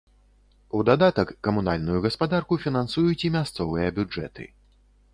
У дадатак, камунальную гаспадарку фінансуюць і мясцовыя бюджэты.